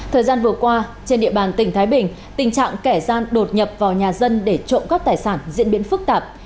thời gian vừa qua trên địa bàn tỉnh thái bình tình trạng kẻ gian đột nhập vào nhà dân để trộm các tài sản diễn biến phức tạp